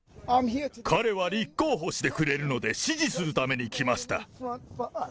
彼は立候補してくれるので、支持するために来ました。